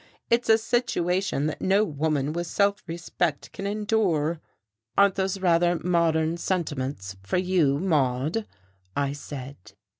It's a situation that no woman with self respect can endure." "Aren't those rather modern sentiments, for you, Maude?" I said.